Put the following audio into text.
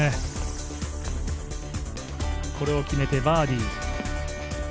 これを決めてバーディー。